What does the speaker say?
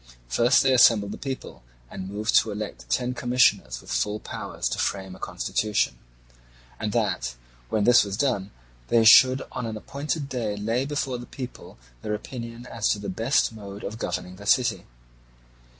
First they assembled the people, and moved to elect ten commissioners with full powers to frame a constitution, and that when this was done they should on an appointed day lay before the people their opinion as to the best mode of governing the city.